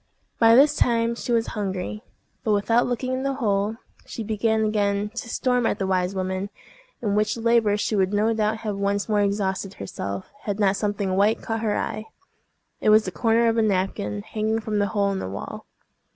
By this time she was hungry; but without looking in the hole, she began again to storm at the wise woman, in which labor she would no doubt have once more exhausted herself, had not something white caught her eye: it was the corner of a napkin hanging from the hole in the wall.